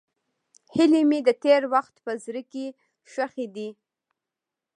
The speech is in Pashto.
هیلې مې د تېر وخت په زړه کې ښخې دي.